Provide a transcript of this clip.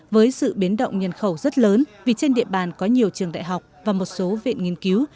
với sự biến động nhân khẩu rất lớn vì trên địa bàn có nhiều trường đại học và một số viện nghiên cứu